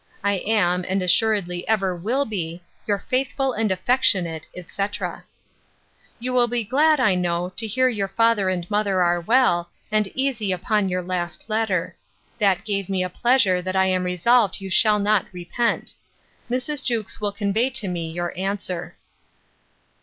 I am, and assuredly ever will be, 'Your faithful and affectionate, etc.' 'You will be glad, I know, to hear your father and mother are well, and easy upon your last letter. That gave me a pleasure that I am resolved you shall not repent. Mrs. Jewkes will convey to me your answer.